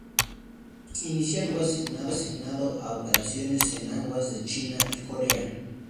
Inicialmente estuvo asignado a operaciones en aguas de China y Corea.